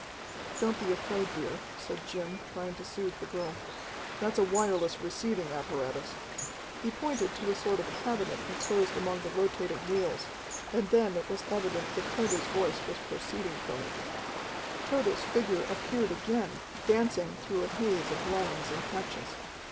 "Don't be afraid, dear," said Jim, trying to soothe the girl. "That's a wireless receiving apparatus." He pointed to a sort of cabinet enclosed among the rotating wheels, and then it was evident that Tode's voice was proceeding from it. Tode's figure appeared again, dancing through a haze of lines and patches.